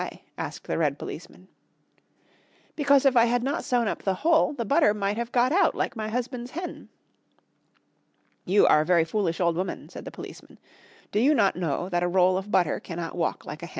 asked the red policeman. "Because if I had not sewn up the hole the butter might have got out, like my husband's hen." "You are a very foolish old woman," said the policeman. "Do you not know that a roll of butter cannot walk like a hen?"